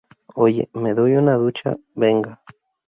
oye, me doy una ducha. venga.